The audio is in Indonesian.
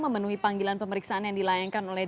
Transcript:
memenuhi panggilan pemeriksaan yang dilayangkan oleh